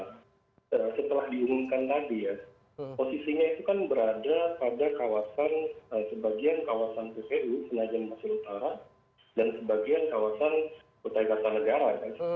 nah setelah diumumkan tadi ya posisinya itu kan berada pada kawasan sebagian kawasan ku penajian masa utara dan sebagian kawasan kota kota negara